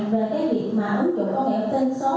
về việc ứng dụng công nghệ tinh số